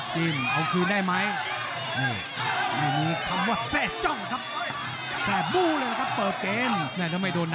จิ้มเอาคืนได้ไหม